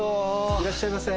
いらっしゃいませ！